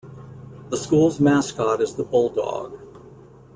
The school's mascot is the bulldog.